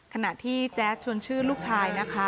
ขณะที่แจ๊ดชวนชื่นลูกชายนะคะ